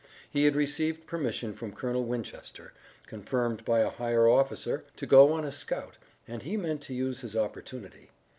He had received permission from Colonel Winchester, confirmed by a higher officer, to go on a scout, and he meant to use his opportunity.